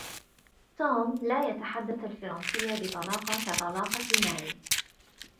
توم لا يتحدث الفرنسية بطلاقة كطلاقة ماري.